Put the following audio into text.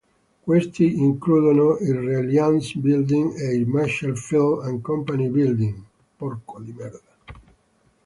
Questi includono il Reliance Building e il Marshall Field and Company Building.